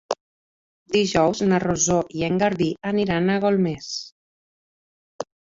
Dijous na Rosó i en Garbí aniran a Golmés.